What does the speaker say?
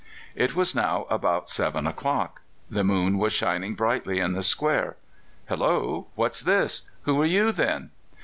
It was now about seven o'clock; the moon was shining brightly in the square. "Hello! what's this? Who are you, then?"